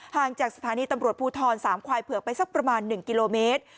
จากสถานีตำรวจภูทรสามควายเผือกไปสักประมาณ๑กิโลเมตร